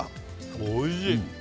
おいしい！